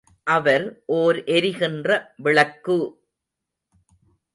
அவர் ஓர் எரிகின்ற விளக்கு!